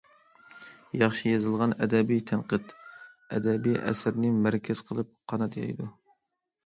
ياخشى يېزىلغان ئەدەبىي تەنقىد ئەدەبىي ئەسەرنى مەركەز قىلىپ قانات يايىدۇ.